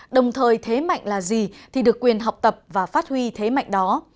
đồng thời thế mạnh là gì thì được quyền học tập và phát huy thế mạnh đó